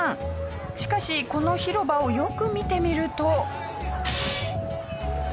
しかしこの広場をよく見てみると。